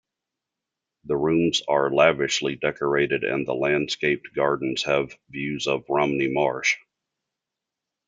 The rooms are lavishly decorated and the landscaped gardens have views of Romney Marsh.